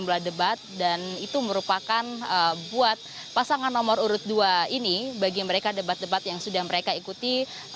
sejumlah debat dan itu merupakan buat pasangan nomor urut dua ini bagi mereka debat debat yang sudah mereka ikuti